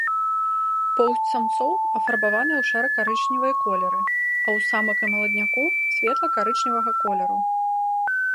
Поўсць самцоў афарбаваная ў шэра-карычневыя колеры, а ў самак і маладняку светла-карычневага колеру.